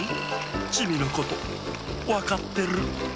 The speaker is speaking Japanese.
チミのことわかってる。